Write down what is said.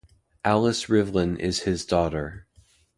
Alice Rivlin is his daughter.